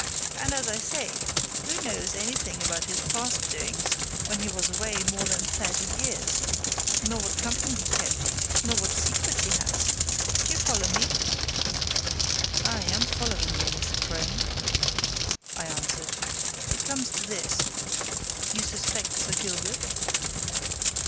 And, as I say, who knows anything about his past doings when he was away more than thirty years, nor what company he kept, nor what secrets he has? Do you follow me?" "Aye, I'm following you, Mr. Crone," I answered. "It comes to this you suspect Sir Gilbert?"